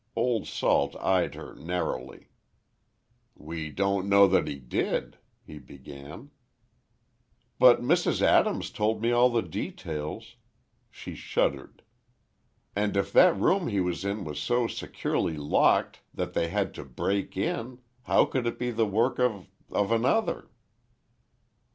Old Salt eyed her narrowly. "We don't know that he did," he began. "But Mrs. Adams told me all the details"—she shuddered, "and if that room he was in was so securely locked that they had to break in, how could it be the work of—of another?"